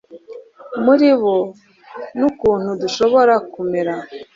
muri bo n ukuntu dushobora kumera